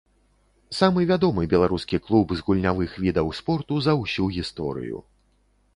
Самы вядомы беларускі клуб з гульнявых відаў спорту за ўсю гісторыю.